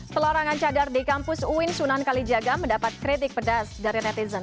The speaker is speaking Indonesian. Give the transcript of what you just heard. pelarangan cadar di kampus uin sunan kalijaga mendapat kritik pedas dari netizen